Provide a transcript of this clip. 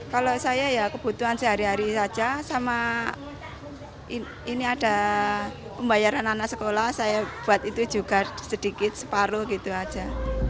kalau saya ya kebutuhan sehari hari saja sama ini ada pembayaran anak sekolah saya buat itu juga sedikit separuh gitu aja